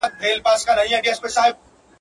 كومه چېغه به كي سره ساړه رګونه!